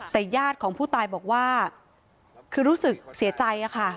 แต่ญาติของผู้ตายบอกว่าคือรู้สึกเสียใจค่ะ